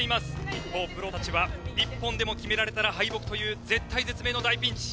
一方プロたちは１本でも決められたら敗北という絶体絶命の大ピンチ。